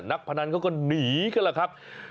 พนันเขาก็หนีกันแหละครับ